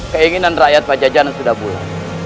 keinginan rakyat pajajaran sudah bulat